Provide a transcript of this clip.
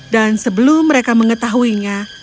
dan sebelum mereka mengetahuinya